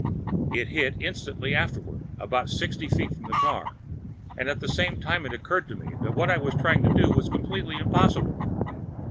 It hit instantly after about sixty feet from the car. And at the same time, it occurred to me that what I was trying to do was completely impossible.